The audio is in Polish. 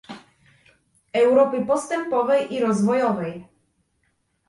Europy postępowej i rozwojowej